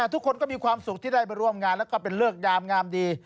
ทุกคนก็มีความสุขที่ได้มาร่วมงานแล้วก็เป็นเลิกยามงามดี